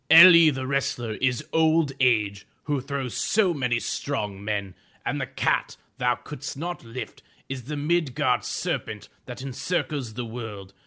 El'li the wrestler, is old age, who throws so many strong men, and the cat thou couldst not lift is the Mid'gard serpent that encircles the world.